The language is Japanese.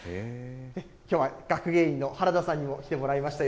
きょうは学芸員の原田さんにも来てもらいました。